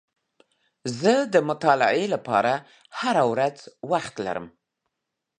زه د مطالعې لپاره هره ورځ وخت لرم.